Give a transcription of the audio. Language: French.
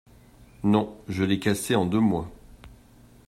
Non je l'ai cassé en deux mois.